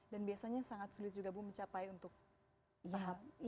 dan biasanya sangat sulit juga ibu mencapai tahap penerimaan itu